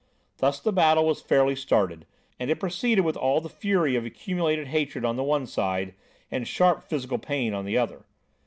Thus the battle was fairly started, and it proceeded with all the fury of accumulated hatred on the one side and sharp physical pain on the other.